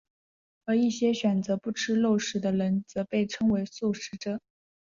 而一些选择不吃肉类的人则被称为素食者。